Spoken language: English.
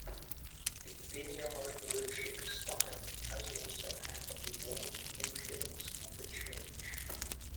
The Vineyard worship style has also had a wide influence on the church.